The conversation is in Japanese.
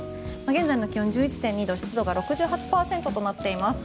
現在の気温１１．２度湿度が６８％となっています。